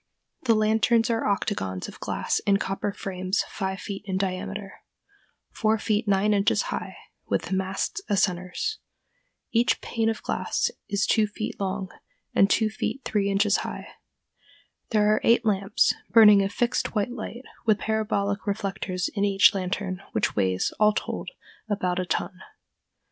The lanterns are octagons of glass in copper frames five feet in diameter, four feet nine inches high, with the masts as centers. Each pane of glass is two feet long and two feet three inches high. There are eight lamps, burning a fixed white light, with parabolic reflectors in each lantern, which weighs, all told, about a ton.